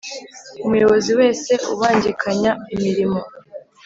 Umuyobozi wese ubangikanya imirimo